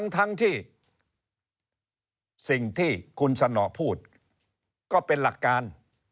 ทั้งที่สิ่งที่คุณสนอพูดก็เป็นหลักการ